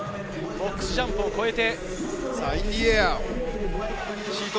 ボックスジャンプを越えて。